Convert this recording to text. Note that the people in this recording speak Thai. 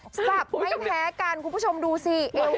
สรรค์ไม่แพ้กันคุณผู้ชมดูซิเอวเขาอะ